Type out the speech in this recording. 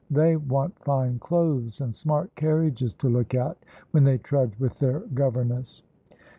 They want fine clothes and smart carriages to look at, when they trudge with their governess."